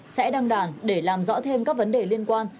sẽ đăng đàn để làm rõ thêm các vấn đề liên quan